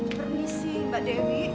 permisi mbak dewi